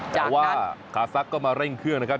เพราะว่าคาซักก็มาเร่งเครื่องนะครับ